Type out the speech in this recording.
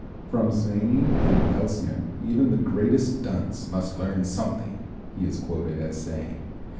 "From Zwyny and Elsner even the greatest dunce must learn something," he is quoted as saying.